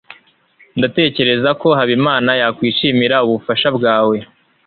ndatekereza ko habimana yakwishimira ubufasha bwawe